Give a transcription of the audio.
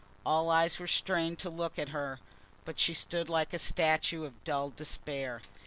All eyes were strained to look at her, but she stood like a statue of dull despair.